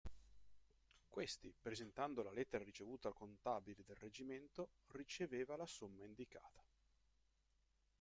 Questi, presentando la lettera ricevuta al contabile del reggimento, riceveva la somma indicata.